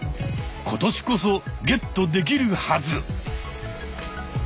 今年こそゲットできるはず。